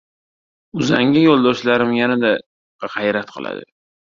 Uzangi yo‘ldoshlarim yanada g‘ayrat qiladi.